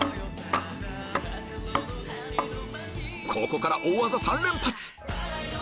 ここから大技３連発！